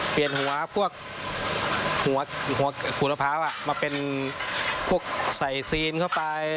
หัวพวกหัวขูดมะพร้าวมาเป็นพวกใส่ซีนเข้าไป